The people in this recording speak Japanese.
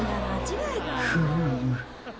フーム。